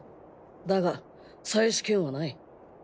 だが再試験はない。